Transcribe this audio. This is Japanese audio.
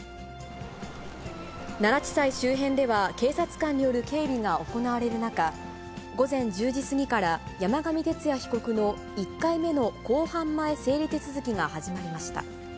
奈良地裁周辺では、警察官による警備が行われる中、午前１０時過ぎから山上徹也被告の１回目の公判前整理手続きが始まりました。